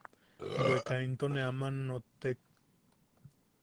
Bwe kainto ne aman nottek...